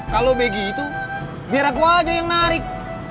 kalau begitu biar aku aja yang narik